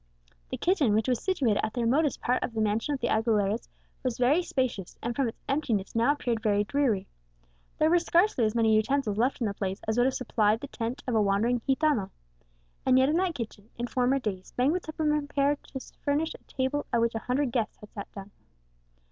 The kitchen, which was situated at the remotest part of the mansion of the Aguileras, was very spacious, and from its emptiness now appeared very dreary. There were scarcely as many utensils left in the place as would have supplied the tent of a wandering Gitano. And yet in that kitchen, in former days, banquets had been prepared to furnish a table at which a hundred guests had sat down.